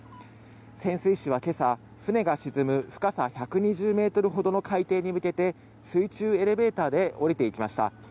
潜水士は今朝船が沈む深さ１２０ｍほどの海底に向けて水中エレベーターで下りていきました。